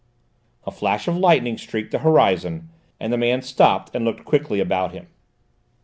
A flash of lightning streaked the horizon, and the man stopped and looked quickly about him.